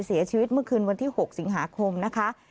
เสียชีวิตเมื่อคืนวันที่๖สิงหาคมนะคะ